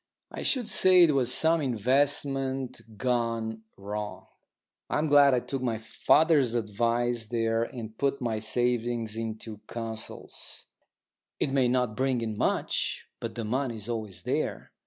I should say it was some investment gone wrong. I'm glad I took my father's advice there and put my savings into Consols. It may not bring in much, but the money is always there.